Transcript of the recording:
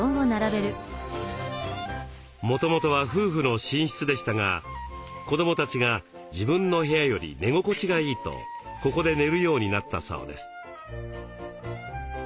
もともとは夫婦の寝室でしたが子どもたちが自分の部屋より寝心地がいいとここで寝るようになったそうです。